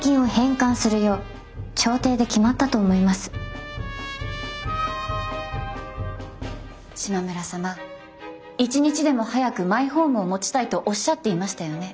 確か島村様一日でも早くマイホームを持ちたいとおっしゃっていましたよね？